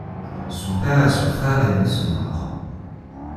Son père et son frère ainé sont morts.